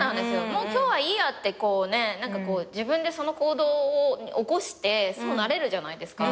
もう今日はいいやって自分でその行動を起こしてそうなれるじゃないですか。